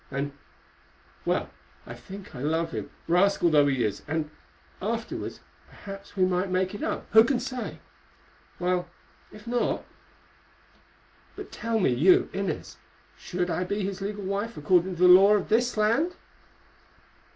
And—well, I think I love him, rascal though he is, and, afterwards, perhaps we might make it up, who can say?—while, if not—— But tell me, you, Inez, should I be his legal wife according to the law of this land?"